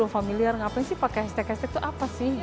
sepuluh familiar ngapain sih pakai hashtag hashtag itu apa sih